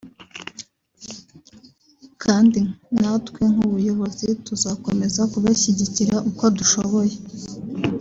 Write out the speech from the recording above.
kandi natwe nk’ubuyobozi tuzakomeza kubashyigikira uko dushoboye”